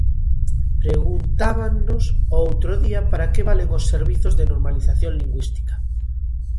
Preguntábannos o outro día para que valen os servizos de normalización lingüística.